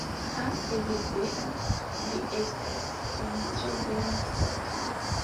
Ha! Evildea, vi estas en tre bona stato.